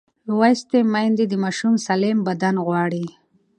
لوستې میندې د ماشوم سالم بدن غواړي.